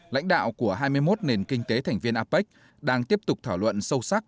lãnh đạo của hai mươi một nền kinh tế thành viên apec đang tiếp tục thảo luận sâu sắc